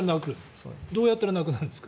どうやったらなくなるんですか。